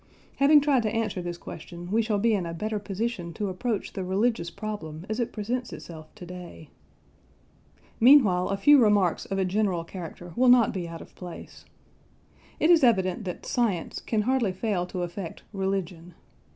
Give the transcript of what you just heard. Having tried to answer this question, we shall be in a better position to approach the religious problem as it presents itself to day. Meanwhile a few remarks of a general character will not be out of place. It is evident that "science" can hardly fail to affect "religion."